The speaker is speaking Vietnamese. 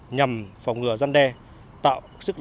nhằm phòng hậu